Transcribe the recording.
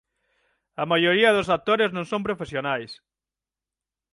A maioría dos actores non son profesionais.